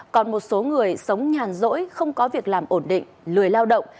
còn một số người sống nhàn rỗi không có việc làm ổn định lười lao động